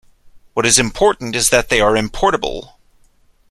What is important is that they are importable.